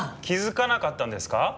気づかなかったんですか？